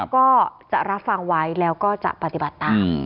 ก็จะรับฟังไว้แล้วก็จะปฏิบัติตาม